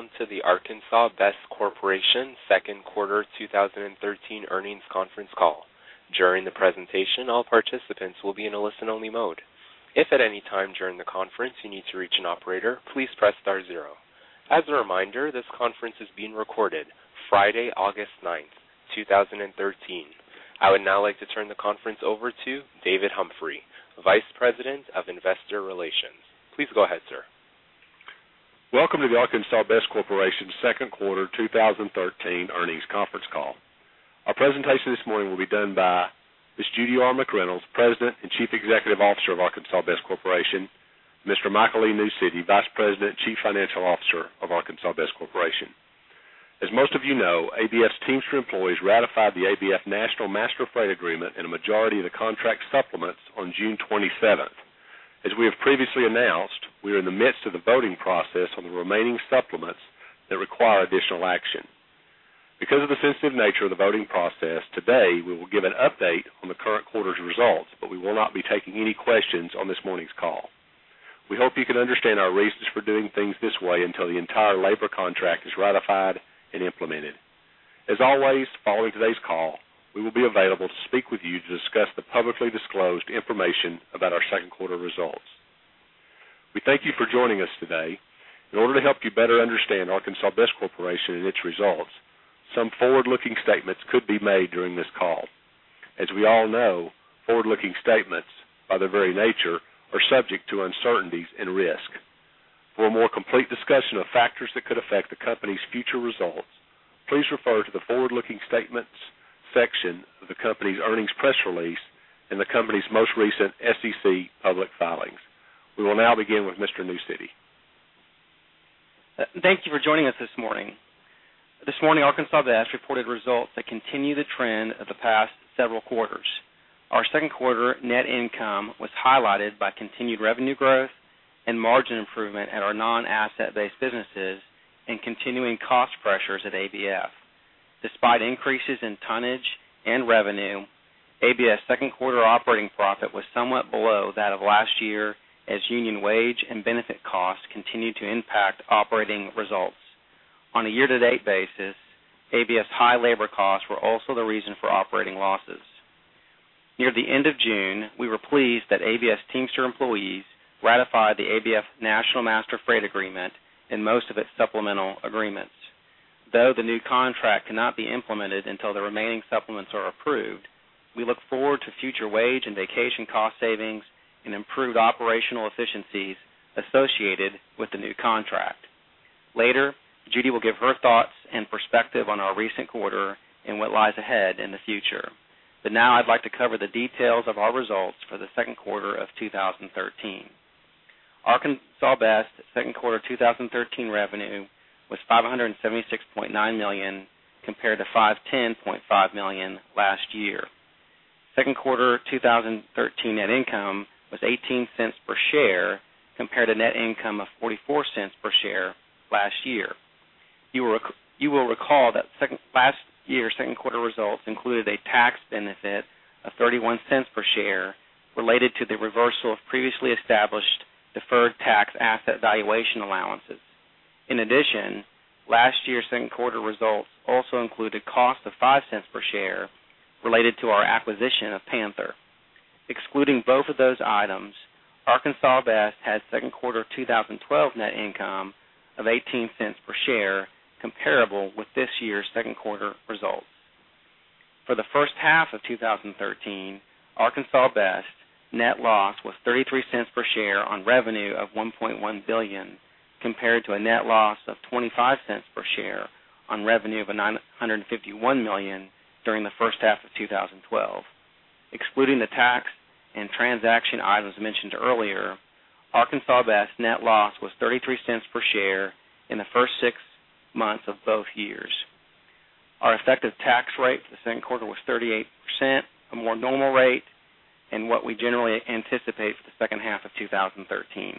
Welcome to the Arkansas Best Corporation second quarter 2013 earnings conference call. During the presentation, all participants will be in a listen-only mode. If at any time during the conference you need to reach an operator, please press star zero. As a reminder, this conference is being recorded Friday, August 9th, 2013. I would now like to turn the conference over to David Humphrey, Vice President of Investor Relations. Please go ahead, sir. Welcome to the Arkansas Best Corporation second quarter 2013 earnings conference call. Our presentation this morning will be done by Ms. Judy R. McReynolds, President and Chief Executive Officer of Arkansas Best Corporation. Mr. Michael Newcity, Vice President and Chief Financial Officer of Arkansas Best Corporation. As most of you know, ABF's Teamster employees ratified the ABF National Master Freight Agreement and a majority of the contract supplements on June 27th. As we have previously announced, we are in the midst of the voting process on the remaining supplements that require additional action. Because of the sensitive nature of the voting process, today we will give an update on the current quarter's results, but we will not be taking any questions on this morning's call. We hope you can understand our reasons for doing things this way until the entire labor contract is ratified and implemented. As always, following today's call, we will be available to speak with you to discuss the publicly disclosed information about our second quarter results. We thank you for joining us today. In order to help you better understand Arkansas Best Corporation and its results, some forward-looking statements could be made during this call. As we all know, forward-looking statements, by their very nature, are subject to uncertainties and risk. For a more complete discussion of factors that could affect the company's future results, please refer to the forward-looking statements section of the company's earnings press release and the company's most recent SEC public filings. We will now begin with Mr. Newcity. Thank you for joining us this morning. This morning, ArcBest reported results that continue the trend of the past several quarters. Our second quarter net income was highlighted by continued revenue growth and margin improvement at our non-asset-based businesses and continuing cost pressures at ABF. Despite increases in tonnage and revenue, ABF's second quarter operating profit was somewhat below that of last year as union wage and benefit costs continued to impact operating results. On a year-to-date basis, ABF's high labor costs were also the reason for operating losses. Near the end of June, we were pleased that ABF's Teamster employees ratified the ABF National Master Freight Agreement and most of its supplemental agreements. Though the new contract cannot be implemented until the remaining supplements are approved, we look forward to future wage and vacation cost savings and improved operational efficiencies associated with the new contract. Later, Judy will give her thoughts and perspective on our recent quarter and what lies ahead in the future. But now I'd like to cover the details of our results for the second quarter of 2013. Arkansas Best second quarter 2013 revenue was $576.9 million compared to $510.5 million last year. Second quarter 2013 net income was $0.18 per share compared to net income of $0.44 per share last year. You will recall that last year's second quarter results included a tax benefit of $0.31 per share related to the reversal of previously established deferred tax asset valuation allowances. In addition, last year's second quarter results also included cost of $0.05 per share related to our acquisition of Panther. Excluding both of those items, Arkansas Best had second quarter 2012 net income of $0.18 per share comparable with this year's second quarter results. For the first half of 2013, Arkansas Best net loss was $0.33 per share on revenue of $1.1 billion compared to a net loss of $0.25 per share on revenue of $951 million during the first half of 2012. Excluding the tax and transaction items mentioned earlier, Arkansas Best net loss was $0.33 per share in the first six months of both years. Our effective tax rate for the second quarter was 38%, a more normal rate, and what we generally anticipate for the second half of 2013.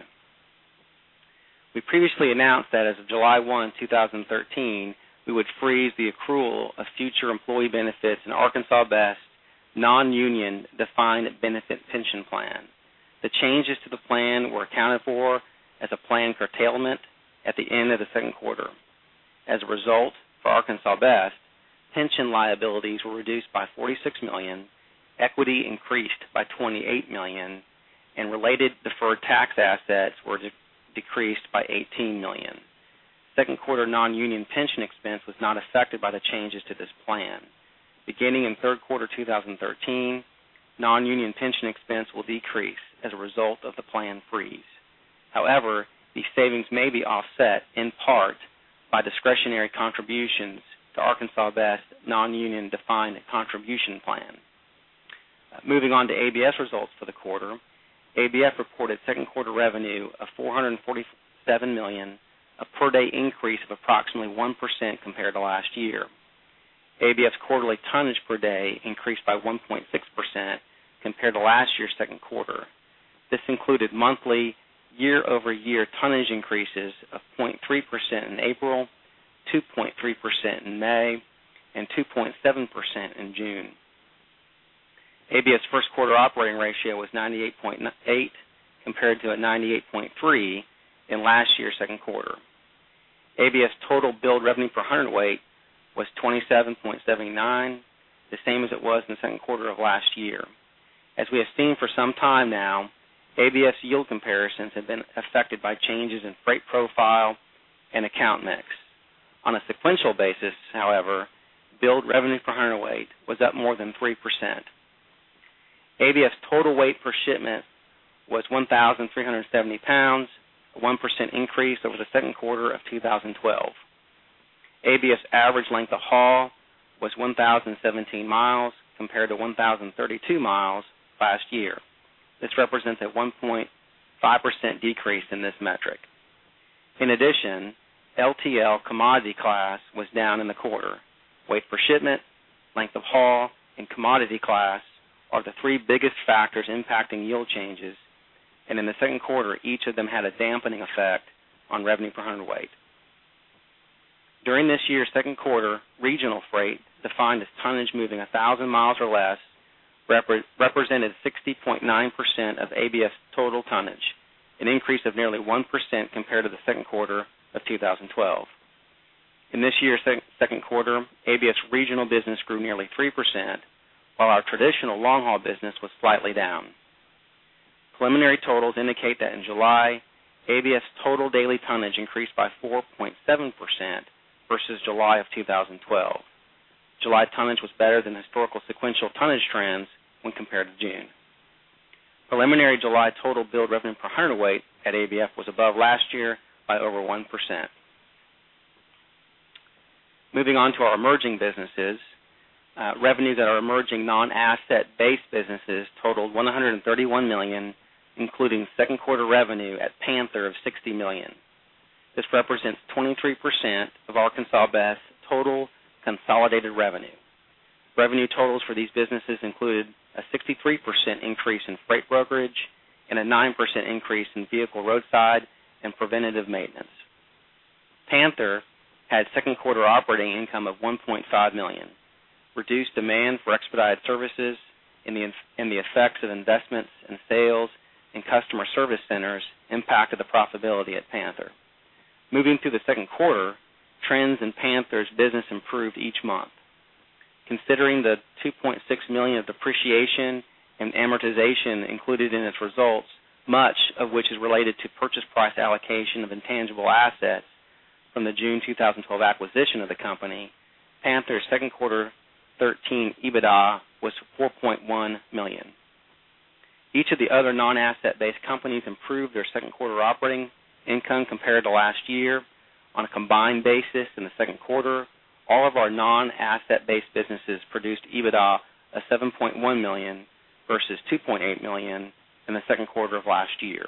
We previously announced that as of July 1st, 2013, we would freeze the accrual of future employee benefits in Arkansas Best's non-union defined benefit pension plan. The changes to the plan were accounted for as a plan curtailment at the end of the second quarter. As a result, for Arkansas Best, pension liabilities were reduced by $46 million, equity increased by $28 million, and related deferred tax assets were decreased by $18 million. Second quarter non-union pension expense was not affected by the changes to this plan. Beginning in third quarter 2013, non-union pension expense will decrease as a result of the plan freeze. However, these savings may be offset, in part, by discretionary contributions to Arkansas Best's non-union defined contribution plan. Moving on to ABF results for the quarter, ABF reported second quarter revenue of $447 million, a per-day increase of approximately 1% compared to last year. ABF's quarterly tonnage per day increased by 1.6% compared to last year's second quarter. This included monthly, year-over-year tonnage increases of 0.3% in April, 2.3% in May, and 2.7% in June. ABF's first quarter operating ratio was 98.8 compared to a 98.3 in last year's second quarter. ABF's total billed revenue per hundredweight was $27.79, the same as it was in the second quarter of last year. As we have seen for some time now, ABF's yield comparisons have been affected by changes in freight profile and account mix. On a sequential basis, however, billed revenue per hundredweight was up more than 3%. ABF's total weight per shipment was 1,370 pounds, a 1% increase over the second quarter of 2012. ABF's average length of haul was 1,017 mi compared to 1,032 mi last year. This represents a 1.5% decrease in this metric. In addition, LTL commodity class was down in the quarter. Weight per shipment, length of haul, and commodity class are the three biggest factors impacting yield changes, and in the second quarter, each of them had a dampening effect on revenue per hundredweight. During this year's second quarter, regional freight defined as tonnage moving 1,000 mi or less represented 60.9% of ABF's total tonnage, an increase of nearly 1% compared to the second quarter of 2012. In this year's second quarter, ABF's regional business grew nearly 3%, while our traditional long-haul business was slightly down. Preliminary totals indicate that in July, ABF's total daily tonnage increased by 4.7% versus July of 2012. July tonnage was better than historical sequential tonnage trends when compared to June. Preliminary July total billed revenue per hundredweight at ABF was above last year by over 1%. Moving on to our emerging businesses, revenues at our emerging non-asset-based businesses totaled $131 million, including second quarter revenue at Panther of $60 million. This represents 23% of Arkansas Best's total consolidated revenue. Revenue totals for these businesses included a 63% increase in freight brokerage and a 9% increase in vehicle roadside and preventative maintenance. Panther had second quarter operating income of $1.5 million. Reduced demand for expedited services and the effects of investments and sales in customer service centers impacted the profitability at Panther. Moving through the second quarter, trends in Panther's business improved each month. Considering the $2.6 million of depreciation and amortization included in its results, much of which is related to purchase price allocation of intangible assets from the June 2012 acquisition of the company, Panther's second quarter 2013 EBITDA was $4.1 million. Each of the other non-asset-based companies improved their second quarter operating income compared to last year. On a combined basis in the second quarter, all of our non-asset-based businesses produced EBITDA of $7.1 million versus $2.8 million in the second quarter of last year.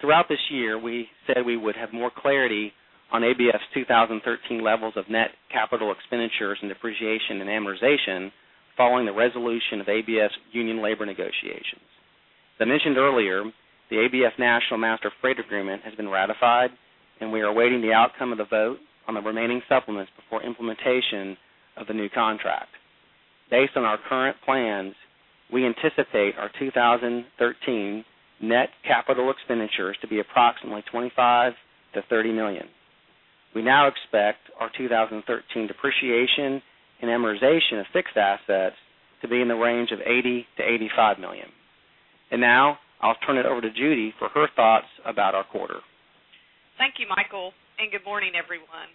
Throughout this year, we said we would have more clarity on ABF's 2013 levels of net capital expenditures and depreciation and amortization following the resolution of ABF's union labor negotiations. As I mentioned earlier, the ABF National Master Freight Agreement has been ratified, and we are awaiting the outcome of the vote on the remaining supplements before implementation of the new contract. Based on our current plans, we anticipate our 2013 net capital expenditures to be approximately $25 million-$30 million. We now expect our 2013 depreciation and amortization of fixed assets to be in the range of $80 million-$85 million. Now I'll turn it over to Judy for her thoughts about our quarter. Thank you, Michael, and good morning, everyone.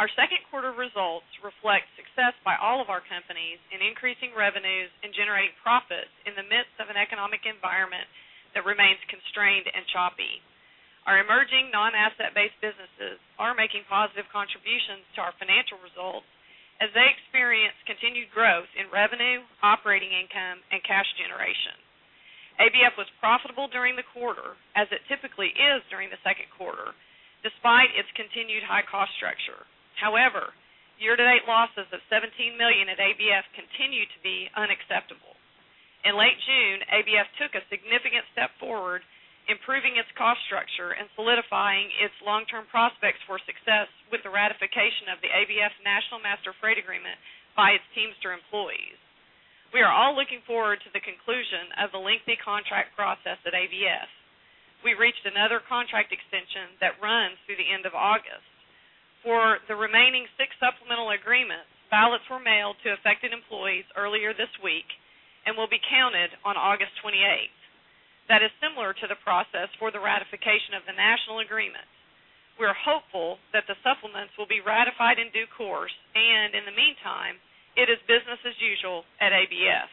Our second quarter results reflect success by all of our companies in increasing revenues and generating profits in the midst of an economic environment that remains constrained and choppy. Our emerging non-asset-based businesses are making positive contributions to our financial results as they experience continued growth in revenue, operating income, and cash generation. ABF was profitable during the quarter as it typically is during the second quarter despite its continued high-cost structure. However, year-to-date losses of $17 million at ABF continue to be unacceptable. In late June, ABF took a significant step forward improving its cost structure and solidifying its long-term prospects for success with the ratification of the ABF National Master Freight Agreement by its Teamster employees. We are all looking forward to the conclusion of the lengthy contract process at ABF. We reached another contract extension that runs through the end of August. For the remaining six supplemental agreements, ballots were mailed to affected employees earlier this week and will be counted on August 28th. That is similar to the process for the ratification of the national agreement. We are hopeful that the supplements will be ratified in due course, and in the meantime, it is business as usual at ABF.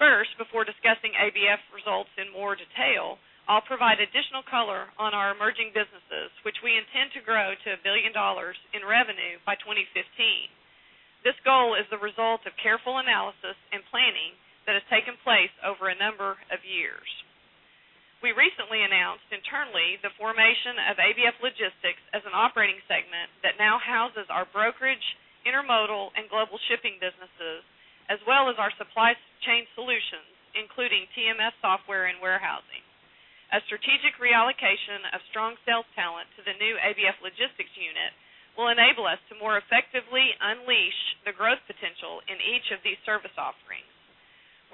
First, before discussing ABF results in more detail, I'll provide additional color on our emerging businesses, which we intend to grow to $1 billion in revenue by 2015. This goal is the result of careful analysis and planning that has taken place over a number of years. We recently announced internally the formation of ABF Logistics as an operating segment that now houses our brokerage, intermodal, and global shipping businesses, as well as our supply chain solutions, including TMS software and warehousing. A strategic reallocation of strong sales talent to the new ABF Logistics unit will enable us to more effectively unleash the growth potential in each of these service offerings.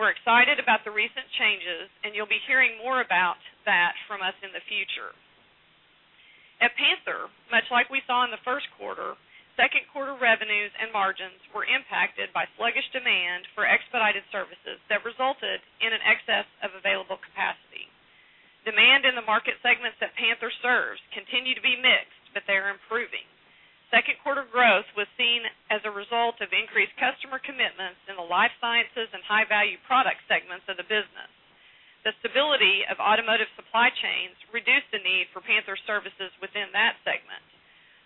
We're excited about the recent changes, and you'll be hearing more about that from us in the future. At Panther, much like we saw in the first quarter, second quarter revenues and margins were impacted by sluggish demand for expedited services that resulted in an excess of available capacity. Demand in the market segments that Panther serves continued to be mixed, but they are improving. Second quarter growth was seen as a result of increased customer commitments in the life sciences and high-value product segments of the business. The stability of automotive supply chains reduced the need for Panther services within that segment.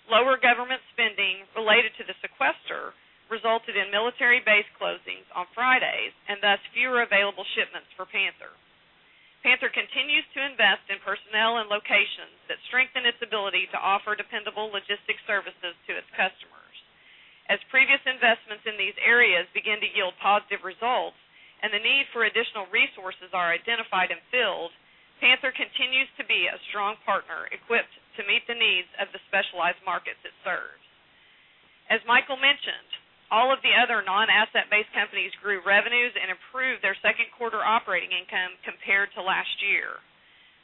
Lower government spending related to the Sequester resulted in military base closings on Fridays and thus fewer available shipments for Panther. Panther continues to invest in personnel and locations that strengthen its ability to offer dependable logistics services to its customers. As previous investments in these areas begin to yield positive results and the need for additional resources are identified and filled, Panther continues to be a strong partner equipped to meet the needs of the specialized markets it serves. As Michael mentioned, all of the other non-asset-based companies grew revenues and improved their second quarter operating income compared to last year.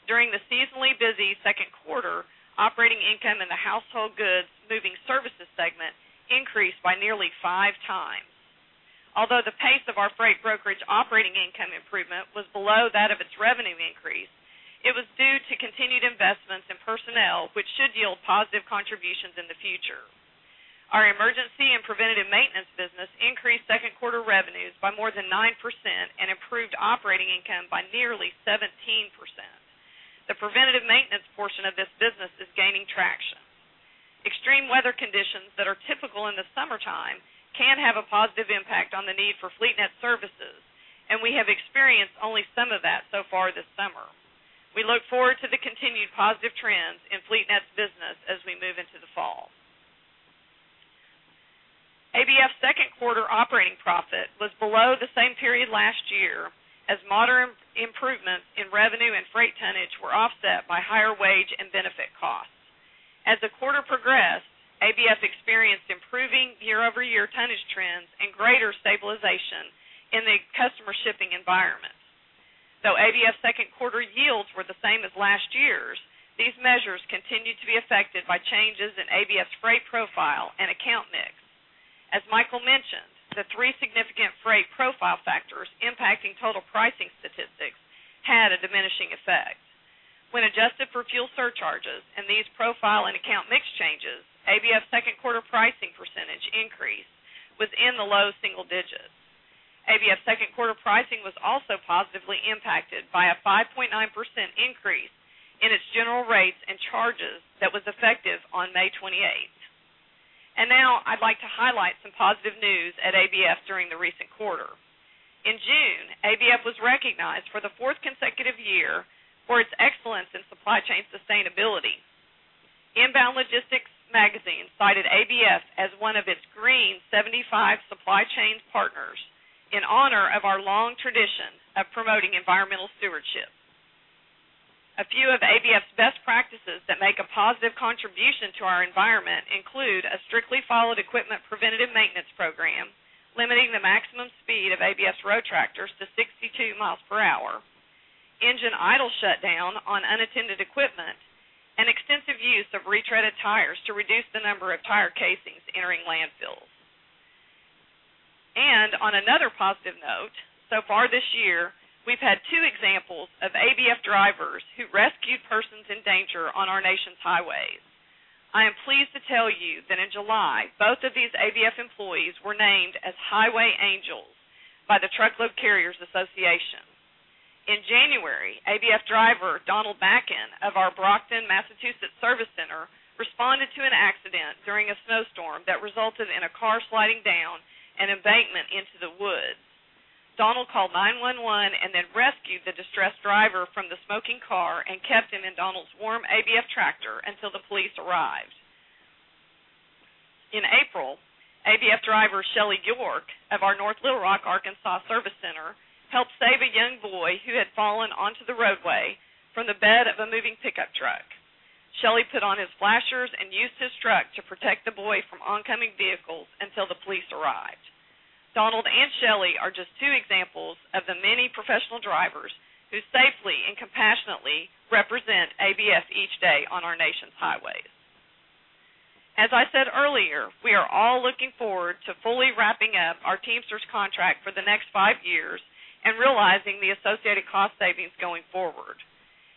During the seasonally busy second quarter, operating income in the household goods moving services segment increased by nearly 5x. Although the pace of our freight brokerage operating income improvement was below that of its revenue increase, it was due to continued investments in personnel, which should yield positive contributions in the future. Our emergency and preventative maintenance business increased second quarter revenues by more than 9% and improved operating income by nearly 17%. The preventative maintenance portion of this business is gaining traction. Extreme weather conditions that are typical in the summertime can have a positive impact on the need for FleetNet services, and we have experienced only some of that so far this summer. We look forward to the continued positive trends in FleetNet's business as we move into the fall. ABF's second quarter operating profit was below the same period last year as moderate improvements in revenue and freight tonnage were offset by higher wage and benefit costs. As the quarter progressed, ABF experienced improving year-over-year tonnage trends and greater stabilization in the customer shipping environment. Though ABF's second quarter yields were the same as last year's, these measures continued to be affected by changes in ABF's freight profile and account mix. As Michael mentioned, the three significant freight profile factors impacting total pricing statistics had a diminishing effect. When adjusted for fuel surcharges and these profile and account mix changes, ABF's second quarter pricing percentage increased within the low single digits. ABF's second quarter pricing was also positively impacted by a 5.9% increase in its general rates and charges that was effective on May 28th. And now I'd like to highlight some positive news at ABF during the recent quarter. In June, ABF was recognized for the fourth consecutive year for its excellence in supply chain sustainability. Inbound Logistics magazine cited ABF as one of its Green 75 Supply Chain Partners in honor of our long tradition of promoting environmental stewardship. A few of ABF's best practices that make a positive contribution to our environment include a strictly followed equipment preventative maintenance program, limiting the maximum speed of ABF's road tractors to 62 mi per hour, engine idle shutdown on unattended equipment, and extensive use of retreaded tires to reduce the number of tire casings entering landfills. And on another positive note, so far this year, we've had two examples of ABF drivers who rescued persons in danger on our nation's highways. I am pleased to tell you that in July, both of these ABF employees were named as Highway Angels by the Truckload Carriers Association. In January, ABF driver Donald Bocha of our Brockton, Massachusetts service center responded to an accident during a snowstorm that resulted in a car sliding down an embankment into the woods. Donald called 911 and then rescued the distressed driver from the smoking car and kept him in Donald's warm ABF tractor until the police arrived. In April, ABF driver Shelle York of our North Little Rock, Arkansas service center helped save a young boy who had fallen onto the roadway from the bed of a moving pickup truck. Shelly put on his flashers and used his truck to protect the boy from oncoming vehicles until the police arrived. Donald and Shelly are just two examples of the many professional drivers who safely and compassionately represent ABF each day on our nation's highways. As I said earlier, we are all looking forward to fully wrapping up our Teamsters' contract for the next five years and realizing the associated cost savings going forward.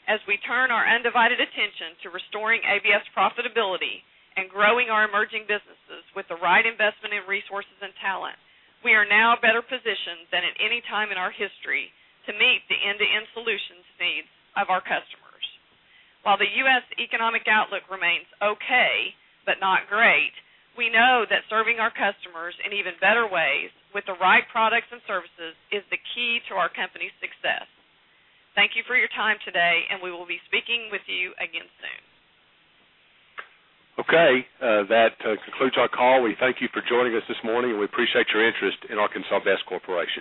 As we turn our undivided attention to restoring ABF's profitability and growing our emerging businesses with the right investment in resources and talent, we are now better positioned than at any time in our history to meet the end-to-end solutions needs of our customers. While the U.S. economic outlook remains okay but not great, we know that serving our customers in even better ways with the right products and services is the key to our company's success. Thank you for your time today, and we will be speaking with you again soon. Okay. That concludes our call. We thank you for joining us this morning, and we appreciate your interest in Arkansas Best Corporation.